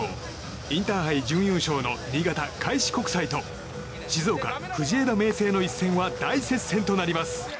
インターハイ準優勝の新潟・開志国際と静岡・藤枝明誠の一戦は大接戦となります。